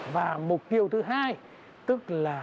và mục tiêu thứ hai tức là